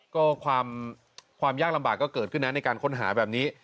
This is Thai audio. ก็ความยากลำบากก็เกิดขึ้นนะในการค้นหาแบบนี้